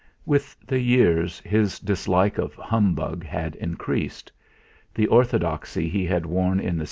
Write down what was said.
With the years his dislike of humbug had increased; the orthodoxy he had worn in the